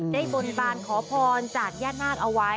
บนบานขอพรจากย่านาคเอาไว้